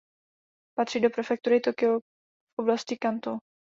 Patří do prefektury Tokio v oblasti Kantó.